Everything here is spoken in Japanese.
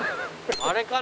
あれかな？